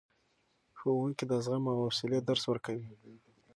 ښوونکي د زغم او حوصلې درس ورکوي.